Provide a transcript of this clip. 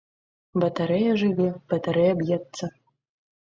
Батарэя жыве, батарэя б'ецца!